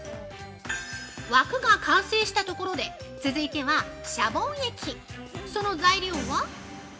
◆枠が完成したところで続いては、シャボン液。